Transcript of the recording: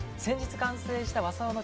先日完成したわさ